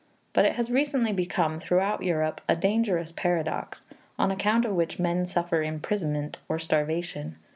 But it has recently become, throughout Europe, a dangerous paradox, on account of which men suffer imprisonment or starvation.